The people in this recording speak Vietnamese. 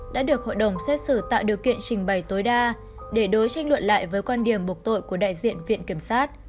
đã được hội đồng xét xử tạo điều kiện trình bày tối đa để đối tranh luận lại với quan điểm buộc tội của đại diện viện kiểm sát